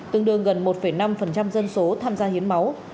tương đương gần một năm dân số tham gia hiến máu